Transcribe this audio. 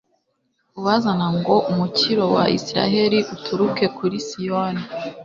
uwazana ngo umukiro wa israheli uturuke kuri siyoni